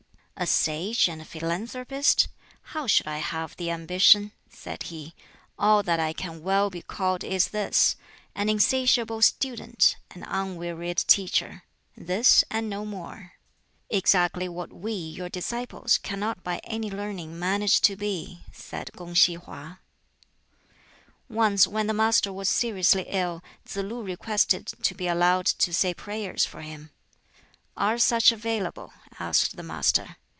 "'A Sage and a Philanthropist?' How should I have the ambition?" said he. "All that I can well be called is this An insatiable student, an unwearied teacher; this, and no more." "Exactly what we, your disciples, cannot by any learning manage to be," said Kung si Hwa. Once when the Master was seriously ill, Tsz lu requested to be allowed to say prayers for him. "Are such available?" asked the Master.